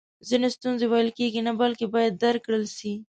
ځینې ستونزی ویل کیږي نه بلکې باید درک کړل سي